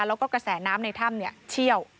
แล้วก็กระแสน้ำในถ้ำเชี่ยว